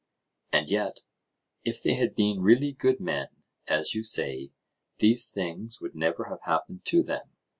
And yet, if they had been really good men, as you say, these things would never have happened to them.